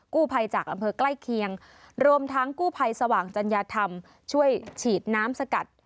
กู้ภัยจากอำเภอใกล้เคียงรวมทั้งกู้ภัยสว่างจัญญาธรรมช่วยฉีดน้ำสกัด